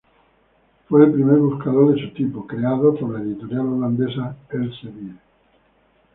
Fue el primer buscador de su tipo, creado por la editorial holandesa Elsevier.